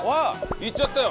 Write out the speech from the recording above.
いっちゃったよ！